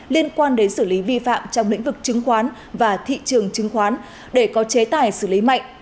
liên quan đến xử lý vi phạm trong lĩnh vực chứng khoán và thị trường chứng khoán để có chế tài xử lý mạnh